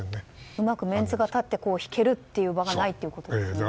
うまくメンツが立って引ける場がないということですね。